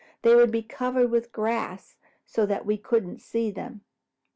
They would be covered with grass so that we couldn't see them.